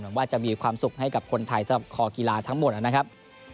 ว่าจะมีความสุขให้กับคนไทยสำหรับคอกีฬาทั้งหมดนะครับ